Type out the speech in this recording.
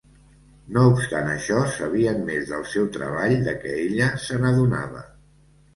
No obstant això, sabien més del seu treball de què ella se n'adonava.